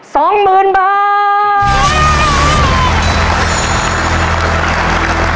สองหมื่นบาท